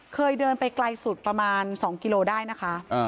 เคยเดินไปไกลสุดประมาณ๒กิโลได้นะคะ